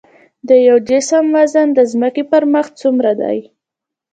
د یو جسم وزن د ځمکې پر مخ څومره دی؟